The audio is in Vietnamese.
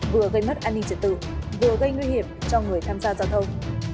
vừa gây mất an ninh trật tự vừa gây nguy hiểm cho người tham gia giao thông